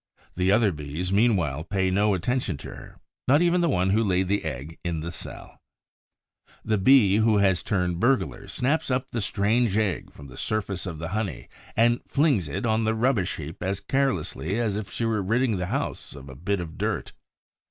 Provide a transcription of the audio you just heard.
The other Bees, meanwhile, pay no attention to her, not even the one who laid the egg in the cell. The Bee who has turned burglar snaps up the strange egg from the surface of the honey and flings it on the rubbish heap as carelessly as if she were ridding the house of a bit of dirt.